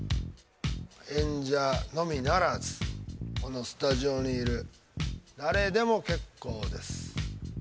演者のみならずこのスタジオにいる誰でも結構です。